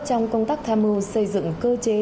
trong công tác tham mưu xây dựng cơ chế